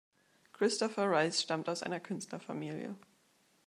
Christopher Rice stammt aus einer Künstlerfamilie.